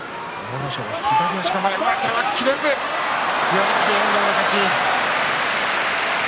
寄り切り、遠藤の勝ち。